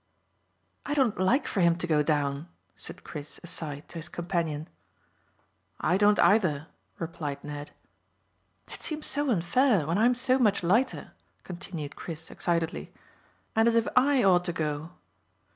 "I don't like for him to go down," said Chris, aside, to his companion. "I don't either," replied Ned. "It seems so unfair when I'm so much lighter," continued Chris excitedly, "and as if I ought to go."